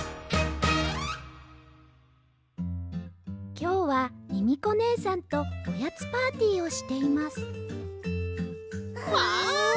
きょうはミミコねえさんとおやつパーティーをしていますわあ！